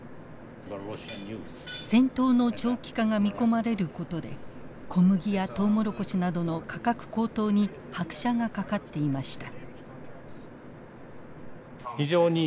戦闘の長期化が見込まれることで小麦やトウモロコシなどの価格高騰に拍車がかかっていました。